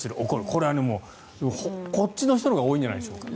これは、こっちの人のほうが多いんじゃないでしょうか。